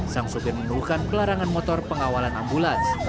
sang sopir mengeluhkan pelarangan motor pengawalan ambulans